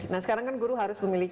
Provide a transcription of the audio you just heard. nah sekarang kan guru harus memiliki